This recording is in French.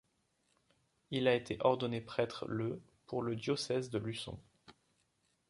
Il a été ordonné prêtre le pour le diocèse de Luçon.